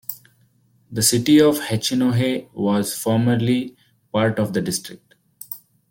The city of Hachinohe was formerly part of the district.